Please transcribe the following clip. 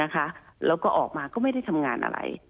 แล้วก็ออกมาก็ไม่ได้ทำงานอะไร